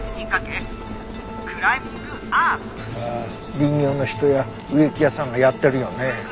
林業の人や植木屋さんがやってるよね。